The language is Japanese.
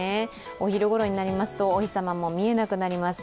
お昼ごろになりますとお日様も見えなくなります。